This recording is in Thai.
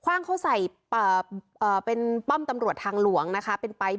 ว่างเขาใส่เป็นป้อมตำรวจทางหลวงนะคะเป็นไป